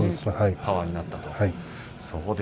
パワーになったと。